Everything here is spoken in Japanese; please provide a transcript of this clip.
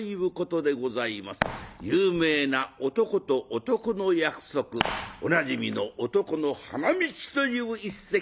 有名な男と男の約束おなじみの「男の花道」という一席